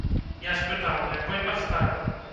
Я спытаў, на якой падставе.